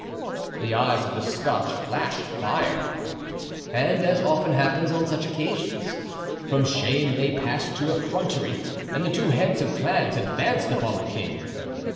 The eyes of the Scotch flashed fire; and, as often happens on such occasions, from shame they passed to effrontery and two heads of clans advanced upon the king.